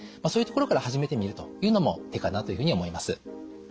そういうところから始めてみるというのも手かなというふうに思います。